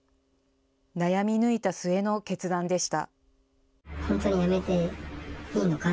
悩み抜いた末の決断でした。